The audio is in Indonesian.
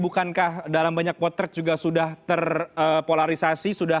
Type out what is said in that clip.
bukankah dalam banyak potret juga sudah terpolarisasi